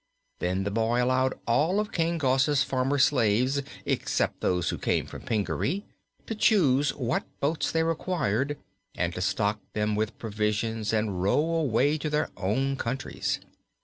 Then the boy allowed all of King Gos's former slaves, except those who came from Pingaree, to choose what boats they required and to stock them with provisions and row away to their own countries.